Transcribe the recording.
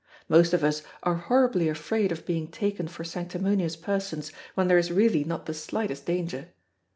Most of us are horribly afraid of being taken for sanctimonious persons, when there is really not the slightest danger.